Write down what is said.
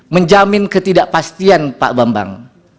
menjamin ketidakpastian pak bambang